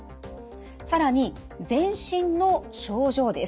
更に全身の症状です。